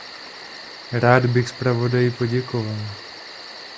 Rád bych zpravodaji poděkoval.